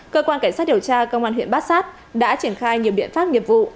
cơ quan cảnh sát điều tra công an huyện bát sát đã triển khai nhiều biện pháp nghiệp vụ